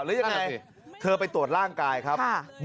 หรือยังไงเธอไปตรวจร่างกายครับ